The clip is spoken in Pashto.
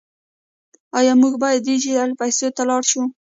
آیا موږ باید ډیجیټل پیسو ته لاړ شو؟